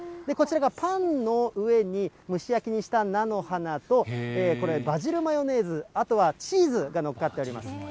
こちらがパンの上に、蒸し焼きにした菜の花と、これ、バジルマヨネーズ、あとはチーズがのっかっております。